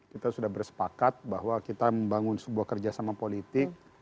kita sudah bersepakat bahwa kita membangun sebuah kerjasama politik